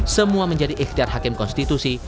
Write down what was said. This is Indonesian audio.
semua menjadi ikhtiar hakim konstitusi